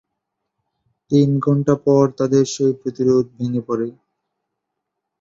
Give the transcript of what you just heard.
তিন ঘণ্টা পর তাদের সেই প্রতিরোধ ভেঙে পড়ে।